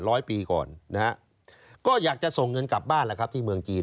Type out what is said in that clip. ร้อยปีก่อนนะฮะก็อยากจะส่งเงินกลับบ้านแล้วครับที่เมืองจีน